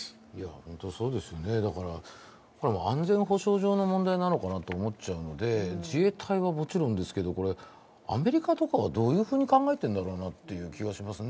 安全保障上の問題なのかなと思っちゃうので、自衛隊はもちろんですがアメリカとかはどういうふうに考えてるんだろうなという気がしますね。